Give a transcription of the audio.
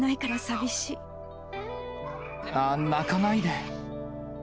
ああ、泣かないで。